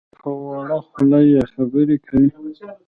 خو په وړه خوله لویې خبرې کوي.